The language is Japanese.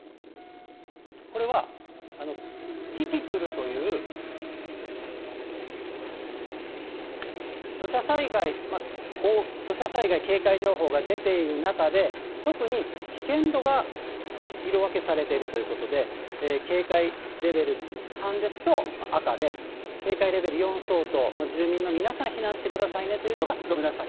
これは、キキクルという、土砂災害、土砂災害警戒情報が出ている中で、特に危険度が色分けされているということで、警戒レベル３ですと赤で、警戒レベル４相当、住民の皆さん、避難してくださいねというのが、紫。